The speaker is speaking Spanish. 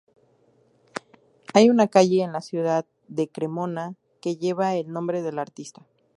Hay una calle en la ciudad de Cremona que lleva el nombre del artista.